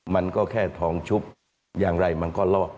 มันก็แค่ทองชุบอย่างไรมันก็ลอก